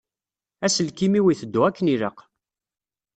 Aselkim-iw iteddu akken ilaq.